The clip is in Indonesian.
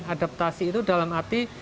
adaptasi itu dalam arti